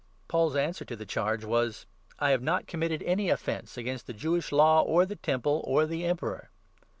Paul's answer to the charge was —' I have 8 not committed any offence against the Jewish Law, or the Temple, or the Emperor.'